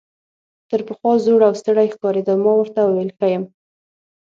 تر پخوا زوړ او ستړی ښکارېده، ما ورته وویل ښه یم.